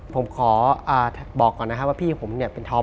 ผมขอบอกก่อนนะครับว่าพี่ผมเนี่ยเป็นธอม